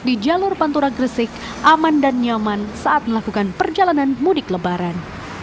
di jalur pantura gresik aman dan nyaman saat melakukan perjalanan mudik lebaran